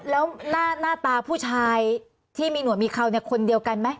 แล้วหน้าตาผู้ชายที่มีหนวดมีเขาเนี่ยคนเดียวกันไหม